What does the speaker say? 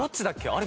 あれ？